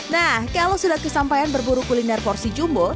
nah kalau sudah kesampaian berburu kuliner porsi jumbo